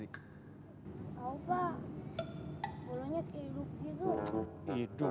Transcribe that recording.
tidak tahu pak bolonya hidup hidup